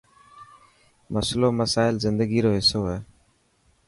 مسلو، مسئلا زندگي رو حصو هي.